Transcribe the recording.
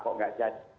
kok tidak jadi